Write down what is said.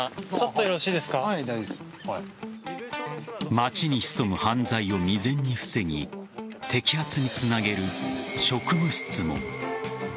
街に潜む犯罪を未然に防ぎ摘発につなげる職務質問。